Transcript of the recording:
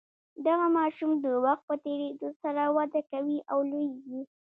دغه ماشوم د وخت په تیریدو سره وده کوي او لوییږي.